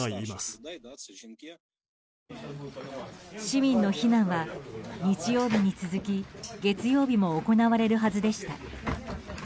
市民の避難は日曜日に続き月曜日も行われるはずでした。